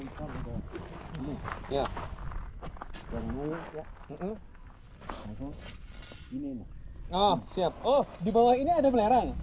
oh siap di bawah ini ada belerang